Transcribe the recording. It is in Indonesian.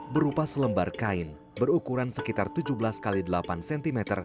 berupa selembar kain berukuran sekitar tujuh belas x delapan cm